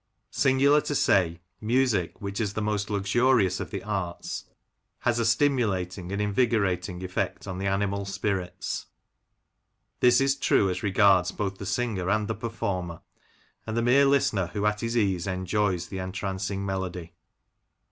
Singular to say, music, which is the most luxurious of the arts, has a stimulating and invigorating effect on the animal spirits. This is true as regards both the singer and performer, and the mere listener who at his ease enjoys the entrancing melody.